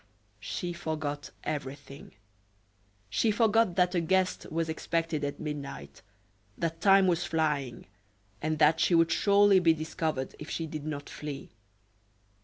She forgot everything; she forgot that a guest was expected at midnight, that time was flying, and that she would surely be discovered if she did not flee.